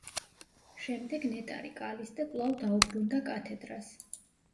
შემდეგ ნეტარი კალისტე კვლავ დაუბრუნდა კათედრას.